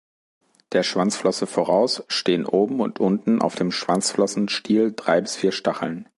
Der Schwanzflosse voraus stehen oben und unten auf dem Schwanzflossenstiel drei bis vier Stacheln.